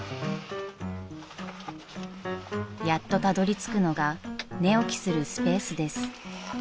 ［やっとたどりつくのが寝起きするスペースです］